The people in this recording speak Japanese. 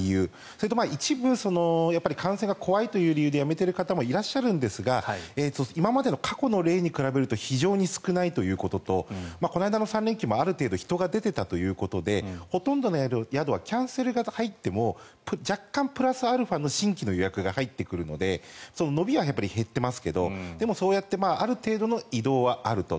それと一部感染が怖いという理由でやめている方もいらっしゃるんですが今までの過去の例に比べると非常に少ないということとこの間の３連休もある程度人が出ていたということでほとんどの宿はキャンセルが入っても若干プラスアルファの新規の予約が入ってくるので伸びは減っていますがそうやってある程度の移動はあると。